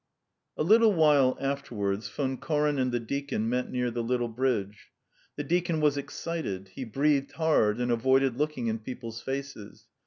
. XX A little while afterwards, Von Koren and the deacon met near the little bridge. The deacon was excited; he breathed hard, and avoided looking in people's faces.